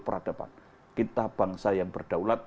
peradaban kita bangsa yang berdaulat